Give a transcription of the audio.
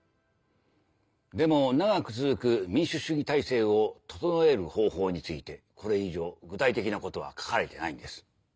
でも長く続く民主主義体制を整える方法についてこれ以上具体的なことは書かれてないんです。